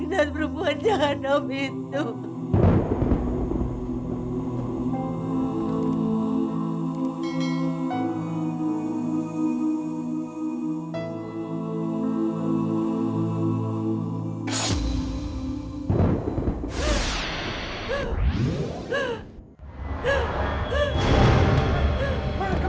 s rudolph bukan anak siapa itu